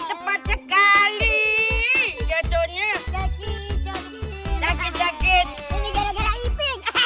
cepat sekali jatuhnya sakit sakit sakit sakit